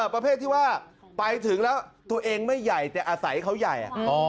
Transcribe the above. ประเภทที่ว่าไปถึงแล้วตัวเองไม่ใหญ่แต่อาศัยเขาใหญ่